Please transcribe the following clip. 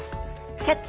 「キャッチ！